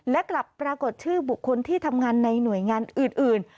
และกลับปรากฏชื่อบุคคลที่ทำงานในหน่วยงานอื่น